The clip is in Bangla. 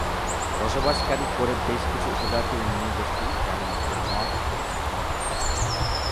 বসবাসকারী করে বেশ কিছু উপজাতীয় নৃগোষ্ঠী যার মধ্যে মগ ও চাকমা উল্লেখযোগ্য।